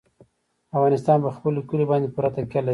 افغانستان په خپلو کلیو باندې پوره تکیه لري.